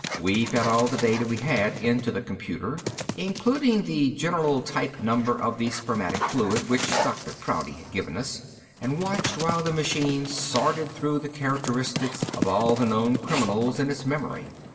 We fed all the data we had into the computer, including the general type number of the spermatic fluid, which Dr. Prouty had given us, and watched while the machine sorted through the characteristics of all the known criminals in its memory.